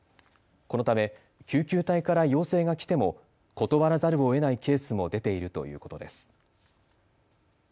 このため救急隊から要請が来ても断らざるをえないケースも出ているということです。